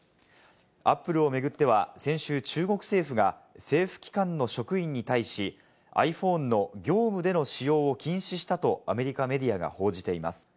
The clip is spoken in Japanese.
Ａｐｐｌｅを巡っては、先週、中国政府が政府機関の職員に対し、ｉＰｈｏｎｅの業務での使用を禁止したとアメリカメディアが報じています。